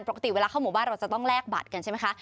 ปกติเวลาเข้าหมู่บ้านเราจะต้องแลกบัตรกันใช่ไหมคะ